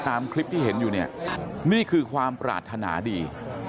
ตามคลิปที่เห็นอยู่เนี่ยนี่คือความปรารถนาดี